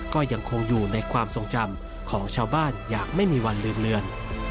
ก็ยังคงอยู่ในความทรงจำของชาวบ้านอย่างไม่มีวันลืมเลือน